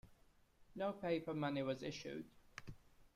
No paper money was issued.